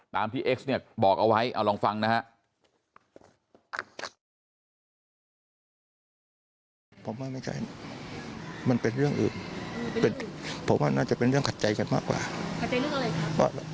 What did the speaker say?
ตามที่เอ็กซเนี่ยบอกเอาไว้